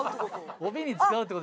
「帯に使うって事？」